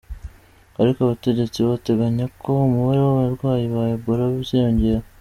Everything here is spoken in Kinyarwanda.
Ariko abategetsi bateganya ko umubare w'abarwayi ba Ebola uziyongera.